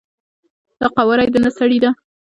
دا قواره یی د نه سړی ده،